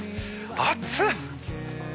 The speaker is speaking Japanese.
暑っ！